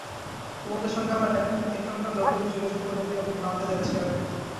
তোমাদের সঙ্গে আমার এখানকার লোকদের যোগাযোগ করে দিয়ে আমি ভারতে যাচ্ছি আর কি।